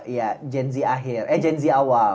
ya gen z akhir eh gen z awal